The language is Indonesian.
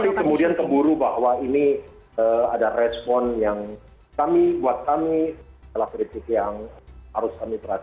tapi kemudian keburu bahwa ini ada respon yang kami buat kami adalah kritik yang harus kami perhatikan